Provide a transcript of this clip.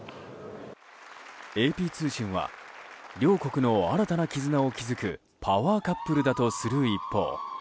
ＡＰ通信は両国の新たな絆を築くパワーカップルだとする一方